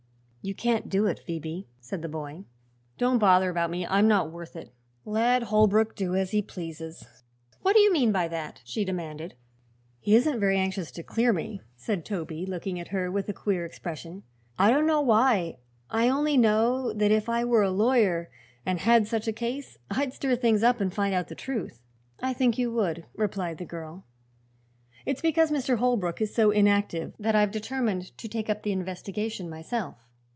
"You can't do it, Phoebe," said the boy. "Don't bother about me; I'm not worth it. Let Holbrook do as he pleases." "What do you mean by that?" she demanded. "He isn't very anxious to clear me," said Toby, looking at her with a queer expression. "I don't know why; I only know that if I were a lawyer and had such a case I'd stir things up and find out the truth." "I think you would," replied the girl. "It's because Mr. Holbrook is so inactive that I've determined to take up the investigation myself."